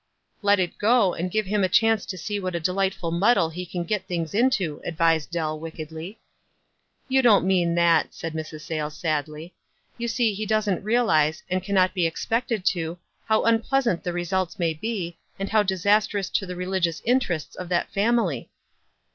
"Let it 2fo, and give him a chance to see w r hat a delightful muddle he can get things into," ad vised Dell, wickedly. "You don't mean that," said Mrs. Sayles, sadly. "You see he doesn't realize, and cannot be expected to, how unpleasant the results may be, and how disastrous to the religious interests of that family."